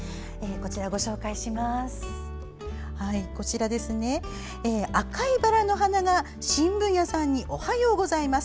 こちら赤いバラの花が新聞屋さんにおはようございます